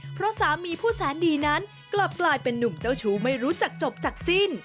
เพราะสามีผู้แสนดีนั้นกลับกลายเป็นนุ่มเจ้าชู้ไม่รู้จักจบจากสิ้น